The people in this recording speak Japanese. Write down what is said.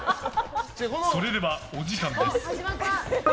それではお時間です。